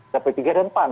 sampai tiga dan empat